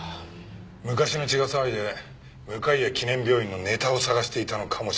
昔の血が騒いで向谷記念病院のネタを探していたのかもしれません。